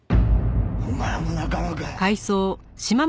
お前も仲間か？